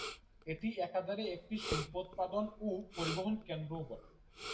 এটি একাধারে একটি শিল্পোৎপাদন ও পরিবহন কেন্দ্রও বটে।